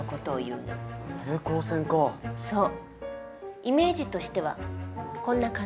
イメージとしてはこんな感じ。